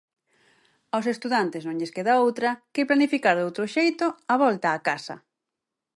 Aos estudantes non lles queda outra que planificar doutro xeito a volta á casa.